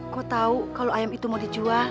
kok tau kalau ayam itu mau dijual